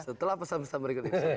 setelah pesan pesan berikutnya